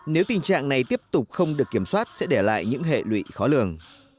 nếu tình trạng này tiếp tục không được kiểm soát sẽ để lại những hệ lụy khó lường